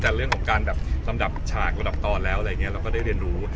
แต่เรื่องของการลำดับฉากลำดับตอนแล้วเราก็ได้เรียนรู้